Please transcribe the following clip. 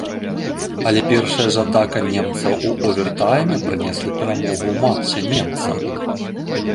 Але першая ж атака немцаў у овертайме прынесла перамогу ў матчы немцам.